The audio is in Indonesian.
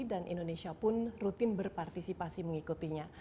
dan indonesia pun rutin berpartisipasi mengikutinya